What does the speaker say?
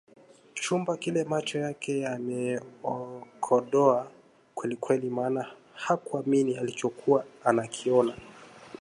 chumba kile macho yake ameyakodoa kwelikweli maana hakuamini alichokuwa anakiona